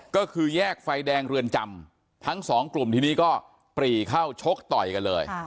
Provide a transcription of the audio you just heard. ก็คือแยกไฟแดงเรือนจำทั้งสองกลุ่มทีนี้ก็ปรีเข้าชกต่อยกันเลย